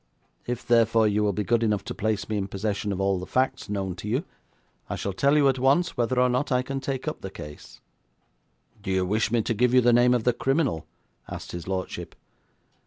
If, therefore, you will be good enough to place me in possession of all the facts known to you, I shall tell you at once whether or not I can take up the case.' 'Do you wish me to give you the name of the criminal?' asked his lordship.